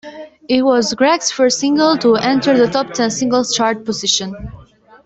It was Gackt's first single to enter the top ten singles chart position.